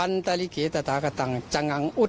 อันตะลิเกะตะธากะตังจังงังอุท